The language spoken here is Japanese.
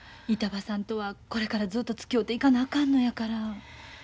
板場さんとはこれからずっとつきおうていかなあかんのやから。